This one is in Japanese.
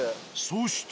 そして。